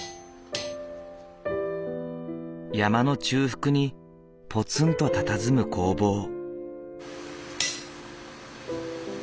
山の中腹にぽつんとたたずむ工房。